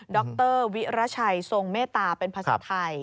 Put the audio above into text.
ดรวิรัชัยทรงเมตตาเป็นภาษาไทย